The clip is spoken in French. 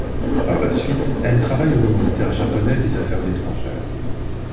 Par la suite, elle travaille au ministère japonais des Affaires étrangères.